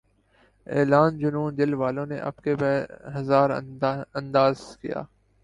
اعلان جنوں دل والوں نے اب کے بہ ہزار انداز کیا